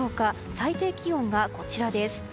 最低気温がこちらです。